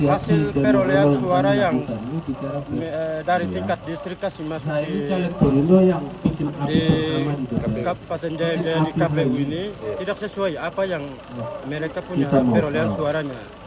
hasil perolehan suara yang dari tingkat distrikasi masuk di kabupaten jaya jaya di kpu ini tidak sesuai apa yang mereka punya perolehan suaranya